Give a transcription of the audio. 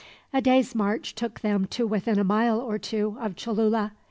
A day's march took them to within a mile or two of Cholula.